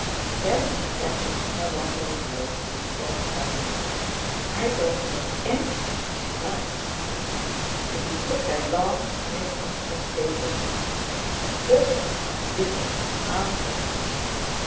Then catching her wondering look, he thought suddenly: "I don't know—anything she likes!" And he took a long sniff of the stable air. "Horses are ripping, aren't they?